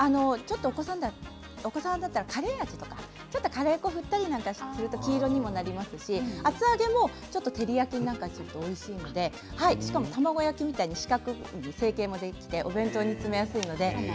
お子さんだったらカレー味とかカレー粉を振ったりすると黄色にもなりますし厚揚げも照り焼きにするとおいしいのでしかも卵焼きみたいに四角く成形もできてお弁当に詰めやすいです。